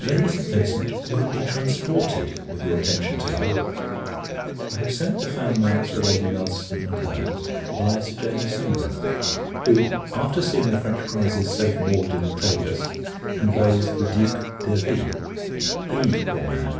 Lady St. Vincent will be transported with your attention to her. I have sent the fan mounts for Lady Nelson and her, by Sir James Saumarez; who, after seeing the French prizes safe moored in the Tagus, conveys the Duke d'Hervie. He, poor man!